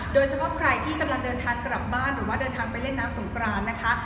โดยเฉพาะใครที่กำลังเดินทางกลับบ้านหรือว่าเดินทางไปเล่นน้ำสงกรานนะคะ